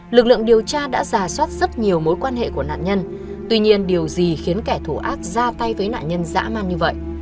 lực lượng điều tra đã giả soát rất nhiều mối quan hệ của nạn nhân tuy nhiên điều gì khiến kẻ thù ác ra tay với nạn nhân dã man như vậy